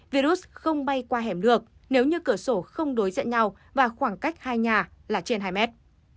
virus không bay qua hẻm được nếu như cửa sổ không đối diện nhau và khoảng cách hai nhà là trên hai mét